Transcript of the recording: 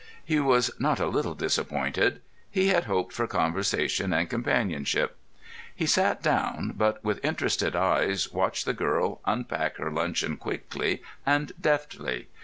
He was not a little disappointed. He had hoped for conversation and companionship. He sat down, but with interested eyes watched the girl unpack her luncheon quickly and deftly.